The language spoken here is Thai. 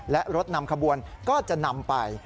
และรถนำขบวนก็จะนำไป